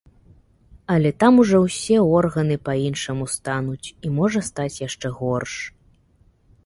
Але там ужо ўсе органы па-іншаму стануць і можа стаць яшчэ горш.